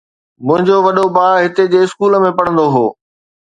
منهنجو وڏو ڀاءُ هتي جي اسڪول ۾ پڙهندو هو.